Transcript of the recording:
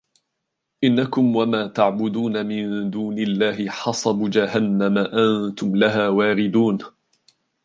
إِنَّكُمْ وَمَا تَعْبُدُونَ مِنْ دُونِ اللَّهِ حَصَبُ جَهَنَّمَ أَنْتُمْ لَهَا وَارِدُونَ